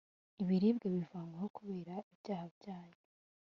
ibiribwa bivanyweho kubera ibyaha byanyu